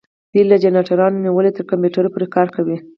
دوی له جنراتورونو نیولې تر کمپیوټر پورې کار کوي.